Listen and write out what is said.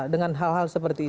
dengan hal hal seperti ini